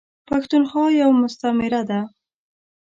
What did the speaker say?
پښتونخوا یوه مستعمیره ده .